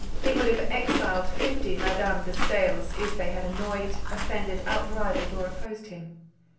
He would have exiled fifty Madame de Staëls, if, they had annoyed, offended, outrivalled, or opposed him.